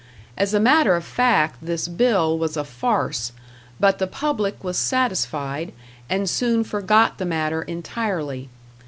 As a matter of fact this bill was a farce, but the public was satisfied, and soon forgot the matter entirely.